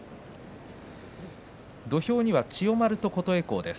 土俵には千代丸と琴恵光です。